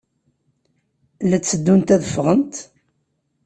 La tteddunt ad ffɣent?